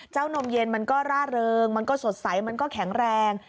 นมเย็นมันก็ร่าเริงมันก็สดใสมันก็แข็งแรง